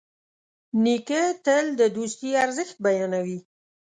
نیکه تل د دوستي ارزښت بیانوي.